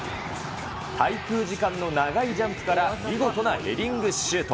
滞空時間の長いジャンプから見事なヘディングシュート。